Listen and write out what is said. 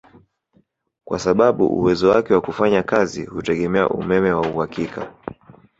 Kwa sababu uwezo wake wa kufanya kazi hutegemea umeme wa uhakika